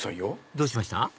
どうしました？